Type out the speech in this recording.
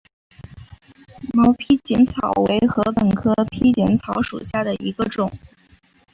毛披碱草为禾本科披碱草属下的一个种。